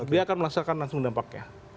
dia akan merasakan langsung dampaknya